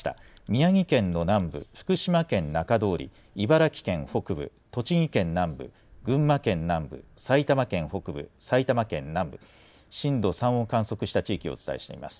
宮城県の南部、福島県中通り、茨城県北部、栃木県南部、群馬県南部、埼玉県北部、埼玉県南部、震度３を観測した地域をお伝えしています。